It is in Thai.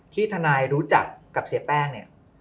ทนายรู้จักกับเสียแป้งเนี่ย